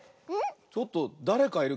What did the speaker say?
ちょっとだれかいる。